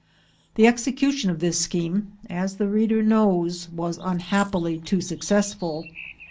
The execution of this scheme, as the reader knows, was unhappily too successful.